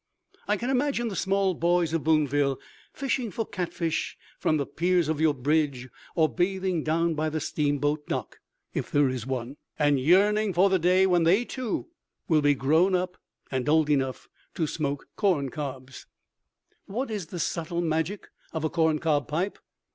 I can imagine the small boys of Boonville fishing for catfish from the piers of the bridge or bathing down by the steamboat dock (if there is one), and yearning for the day when they, too, will be grown up and old enough to smoke corncobs. What is the subtle magic of a corncob pipe?